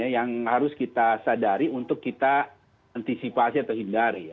yang harus kita sadari untuk kita antisipasi atau hindari ya